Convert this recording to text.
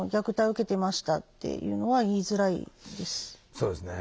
そうですね。